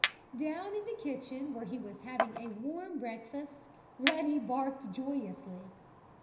Down in the kitchen, where he was having a warm breakfast, Ruddy barked joyously.